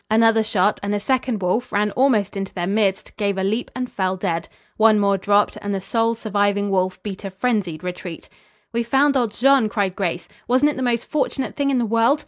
Another shot and a second wolf ran almost into their midst, gave a leap and fell dead. One more dropped; and the sole surviving wolf beat a frenzied retreat. "We found old Jean!" cried Grace. "Wasn't it the most fortunate thing in the world?